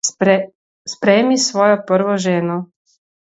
Sprejmi svojo prvo ženo.